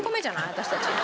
私たち。